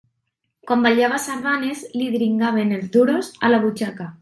Quan ballava sardanes li dringaven els duros a la butxaca.